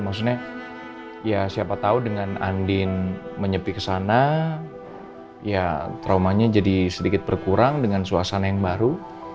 maksudnya ya siapa tahu dengan andin menyepi ke sana ya traumanya jadi sedikit berkurang dengan suasana yang baru